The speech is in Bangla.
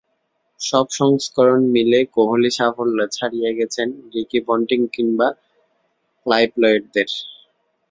সব সংস্করণ মিলে কোহলি সাফল্যে ছাড়িয়ে গেছেন রিকি পন্টিং কিংবা ক্লাইভ লয়েডদের।